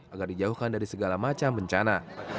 agar dijauhkan dari segala macam bencana